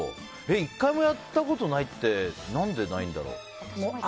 １回もやったことないって何でないんだろう。